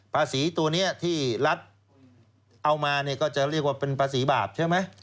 ภาษีตัวนี้ที่รัฐเอามาจะเรียกว่าเป็นภาษีบาปใช่มั้ย